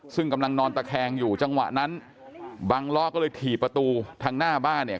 ซึ่งกำลังนอนตะแคงอยู่จังหวะนั้นบังล้อก็เลยถี่ประตูทางหน้าบ้านเนี่ย